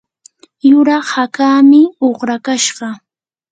yuraq hakaami uqrakashqa.